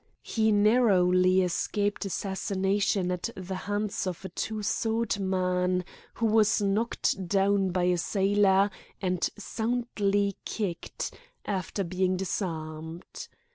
He narrowly escaped assassination at the hands of a two sword man, who was knocked down by a sailor and soundly kicked, after being disarmed.